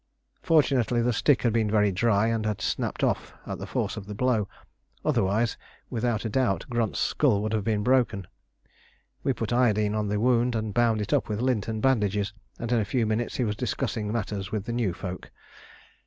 Fortunately the stick had been very dry and had snapped off at the force of the blow; otherwise without a doubt Grunt's skull would have been broken. We put iodine on the wound and bound it up with lint and bandages, and in a few minutes he was discussing matters with the new folk.